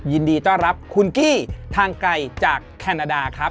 ยินดีต้อนรับคุณกี้ทางไกลจากแคนาดาครับ